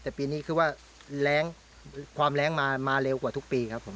แต่ปีนี้คือว่าแรงความแรงมาเร็วกว่าทุกปีครับผม